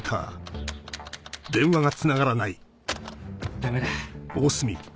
ダメだ。